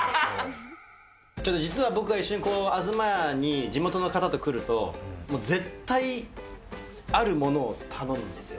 ちょっと実は、僕が一緒に東家に地元の方と来ると、絶対あるものを頼むんですよ。